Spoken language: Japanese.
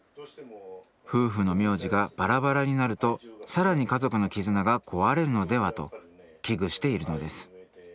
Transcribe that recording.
夫婦の名字がバラバラになるとさらに家族の絆が壊れるのではと危惧しているのです